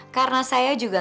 karena saya juga